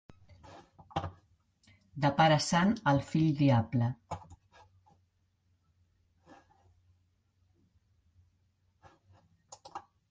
De pare sant, el fill diable.